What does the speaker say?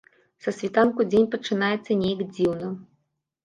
Са світанку дзень пачынаецца неяк дзіўна.